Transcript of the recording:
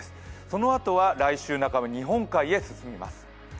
そのあとは来週半ば、日本海へ進みます。